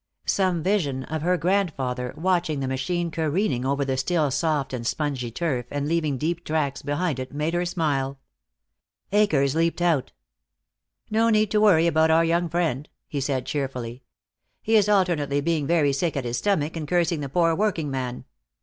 Some vision of her grandfather, watching the machine careening over the still soft and spongy turf and leaving deep tracks behind it, made her smile. Akers leaped out. "No need to worry about our young friend," he said cheerfully. "He is alternately being very sick at his stomach and cursing the poor working man.